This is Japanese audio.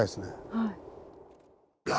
はい。